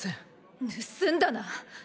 盗んだな！